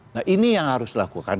nah ini yang harus dilakukan